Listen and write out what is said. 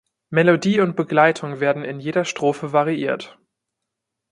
Melodie und Begleitung werden in jeder Strophe variiert.